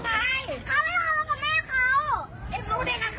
ตั้งแต่เราเป็นผู้เกมกับได้